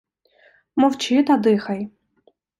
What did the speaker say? Мовчи та дихай.